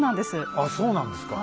あっそうなんですか。